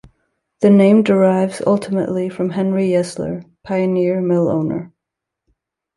The name derives ultimately from Henry Yesler, pioneer mill owner.